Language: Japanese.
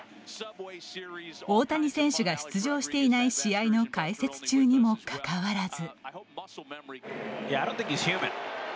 大谷選手が出場していない試合の解説中にもかかわらず。